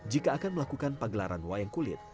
jika akan melakukan pagelaran wayang kulit